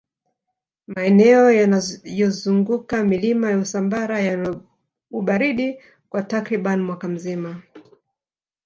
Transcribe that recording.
maeneo yanayozunguka milima ya usambara yana ubaridi kwa takribani mwaka mzima